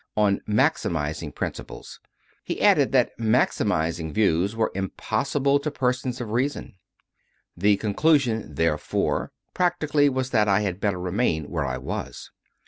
on "maximizing" principles: he added that "maximizing " views were impossible to persons of reason. The conclusion, therefore, practically, CONFESSIONS OF A CONVERT 87 was that I had better remain where I was.